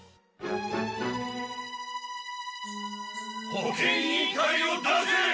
保健委員会を出せ！